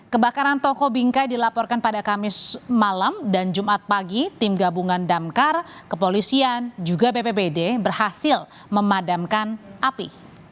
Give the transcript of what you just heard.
kebakaran toko bingkai dilaporkan pada kamis malam dan jumat pagi tim gabungan damkar kepolisian juga bpbd berhasil memadamkan api